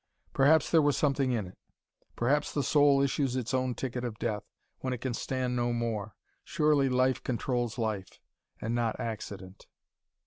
Perhaps there was something in it. Perhaps the soul issues its own ticket of death, when it can stand no more. Surely life controls life: and not accident.